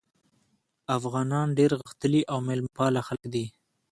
افغانان ډېر غښتلي او میلمه پاله خلک دي.